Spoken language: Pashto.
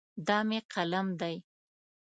دا مې قلم دی.